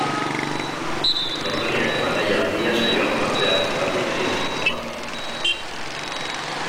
Norvegiako Anaia Handia saioan parte hartzeagatik egin zen famatu.